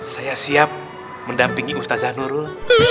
saya siap mendampingi ustadz zanurul